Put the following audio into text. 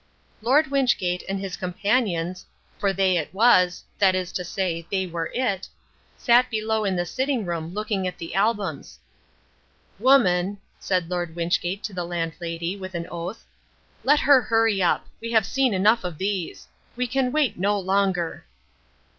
Lord Wynchgate and his companions for they it was, that is to say, they were it sat below in the sitting room looking at the albums. "Woman," said Lord Wynchgate to the Landlady, with an oath, "let her hurry up. We have seen enough of these. We can wait no longer."